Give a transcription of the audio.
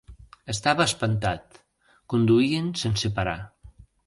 Estava espantat. Conduïen sense parar.